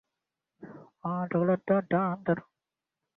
Chakula cha Mombasa ni kitamu.